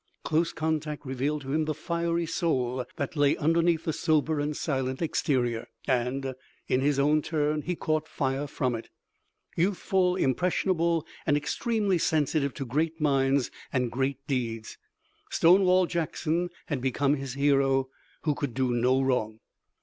Close contact revealed to him the fiery soul that lay underneath the sober and silent exterior, and, in his own turn, he caught fire from it. Youthful, impressionable and extremely sensitive to great minds and great deeds, Stonewall Jackson had become his hero, who could do no wrong.